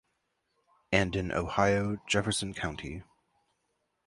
And in Ohio, Jefferson County.